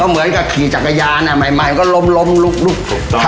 ก็เหมือนกับขี่จักรยานอะแบบนี้ก็ล้มลุก